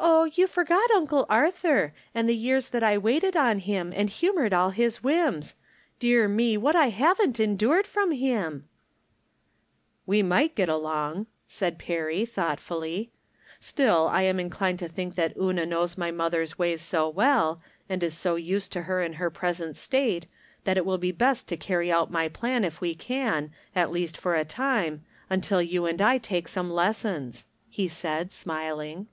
" Oh, you forget Uncle Arthur, and the years that I waited on him, and humored all his whims ! Dear me ! What haven't I endured from him ?"" We might get along," said Perry, thought 268 I'rom Different Standpoints. fully. « Still, I am inclined to tMnk that Una knows my mother's ways so well, and is so nsed to her in her present state, that it wUl be best to carry out my plan if we can, at least for a time, until you and I take some lessons," he said, smil ing.